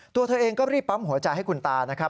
ตัวเธอเองก็รีบปั๊มหัวใจให้คุณตานะครับ